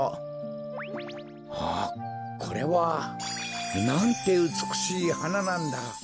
あっこれはなんてうつくしいはななんだ。